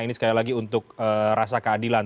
ini sekali lagi untuk rasa keadilan